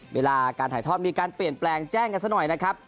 เวลาการถ่ายทอดมีการเปลี่ยนแปลงแจ้งกันสักหน่อยนะครับ